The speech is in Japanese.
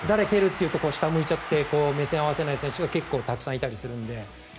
言うと下を向いちゃって目線を合わせない選手がたくさんいたりするので。